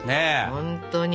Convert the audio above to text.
本当に。